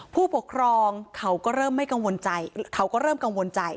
ผู้ปกครองเขาก็เริ่มไม่กังวลใจ